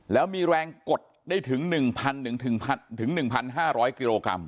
แล้วมีแรงกดได้ถึงหนึ่งพันหนึ่งถึงพันถึงหนึ่งพันห้าร้อยกิโลกรัม